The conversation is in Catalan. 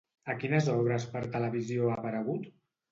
A quines obres per televisió ha aparegut?